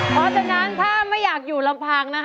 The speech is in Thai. เพราะฉะนั้นถ้าไม่อยากอยู่ลำพังนะคะ